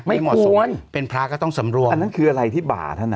ไม่เหมาะสมเป็นพระก็ต้องสำรวมอันนั้นคืออะไรที่บ่าท่านอ่ะ